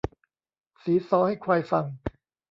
สีซอให้ควายฟัง